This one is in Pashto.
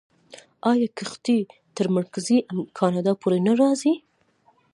آیا کښتۍ تر مرکزي کاناډا پورې نه راځي؟